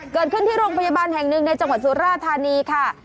เกิดขึ้นที่โรงพยาบาลแห่งหนึ่งในจังหวัดสุราธานีค่ะ